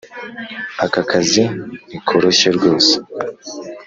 Aka kazi ntikoroshye rwose